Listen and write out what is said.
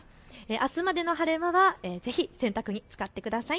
あすまでの晴れ間はぜひ洗濯に使ってください。